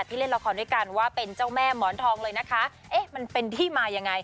เล่นละครด้วยกันว่าเป็นเจ้าแม่หมอนทองเลยนะคะเอ๊ะมันเป็นที่มายังไง